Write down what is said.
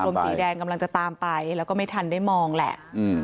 สีแดงกำลังจะตามไปแล้วก็ไม่ทันได้มองแหละ